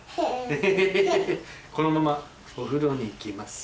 このままお風呂に行きます。